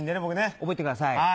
覚えてください。